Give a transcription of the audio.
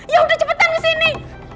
ya udah cepetan kesini